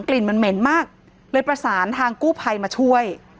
ลิ่นมันเหม็นมากเลยประสานทางกู้ภัยมาช่วย